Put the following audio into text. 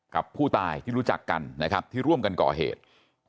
กับผู้ตายที่รู้จักกันนะครับที่ร่วมกันก่อเหตุ